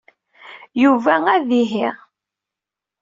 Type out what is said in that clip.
Yuba ad ihi.